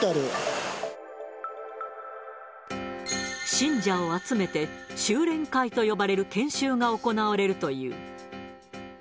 信者を集めて、修練会と呼ばれる研修が行われるという。